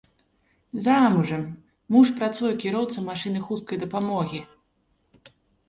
Замужам, муж працуе кіроўцам машыны хуткай дапамогі.